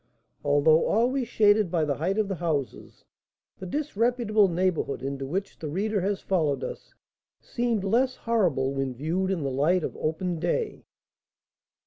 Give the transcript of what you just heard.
Although always shaded by the height of the houses, the disreputable neighbourhood into which the reader has followed us seemed less horrible when viewed in the light of open day.